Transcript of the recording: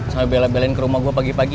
sampai bela belain ke rumah gue pagi pagi